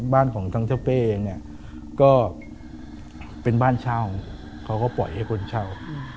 บ้านของทางเจ้าเป้เองเนี่ยก็เป็นบ้านเช่าเขาก็ปล่อยให้คนเช่า